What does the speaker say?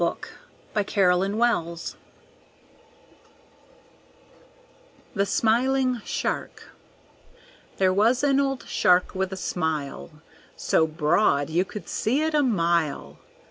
The Smiling Shark There was an old Shark with a smile So broad you could see it a mile.